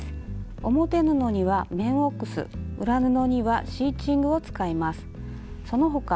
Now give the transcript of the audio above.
表布には綿オックス裏布にはシーチングを使います。